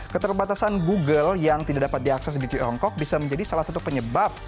keterbatasan google yang tidak dapat diakses di tiongkok bisa menjadi salah satu penyebab